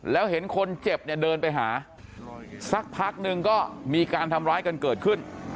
แล้วเห็นคนเจ็บเนี่ยเดินไปหาสักพักนึงก็มีการทำร้ายกันเกิดขึ้น